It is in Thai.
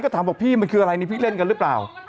ก็ถามว่าพี่มันคืออะไรพี่เล่นรึไม่รึเปล่า